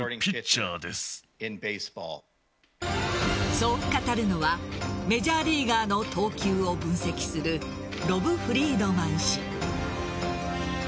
そう語るのはメジャーリーガーの投球を分析するロブ・フリードマン氏。